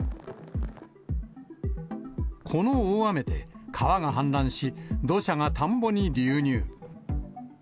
この大雨で、川が氾濫し、土砂が田んぼに流入。